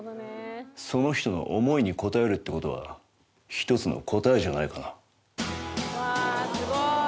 その人の思いに応えるってことは、一つの答えじゃないかな。